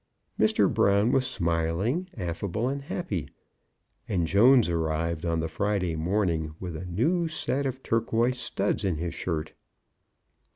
Mr. Brown was smiling, affable, and happy; and Jones arrived on the Friday morning with a new set of torquoise studs in his shirt.